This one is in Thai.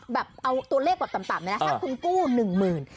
แบบเอาตัวเลขแบบต่ำนี่นะถ้าคุณกู้๑หมื่น